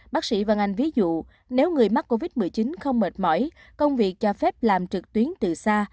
bác sĩ văn anh ví dụ nếu người mắc covid một mươi chín không mệt mỏi công việc cho phép làm trực tuyến từ xa